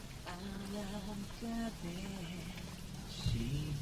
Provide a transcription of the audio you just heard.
The winner was Finnish soprano Karita Mattila.